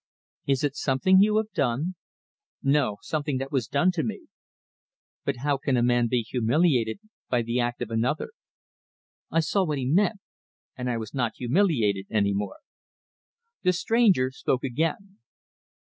"Is it something you have done?" "No. Something that was done to me." "But how can a man be humiliated by the act of another?" I saw what he meant; and I was not humiliated any more. The stranger spoke again.